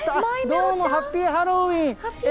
どうもハッピー・ハロウィーン。